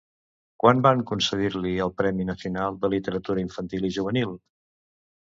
Quan van concedir-li el Premi Nacional de Literatura Infantil i Juvenil?